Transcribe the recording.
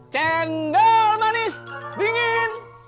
cendol manis dingin